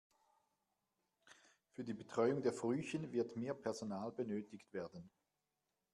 Für die Betreuung der Frühchen wird mehr Personal benötigt werden.